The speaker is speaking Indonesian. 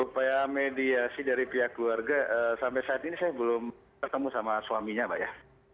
upaya mediasi dari pihak keluarga sampai saat ini saya belum ketemu sama suaminya pak ya